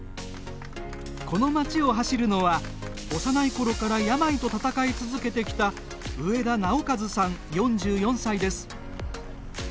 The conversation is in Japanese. この町を走るのは幼いころから病と闘い続けてきた上田直和さん、４４歳です。